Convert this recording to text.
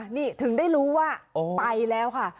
นี่ถึงได้รู้ว่าไปแล้วค่ะ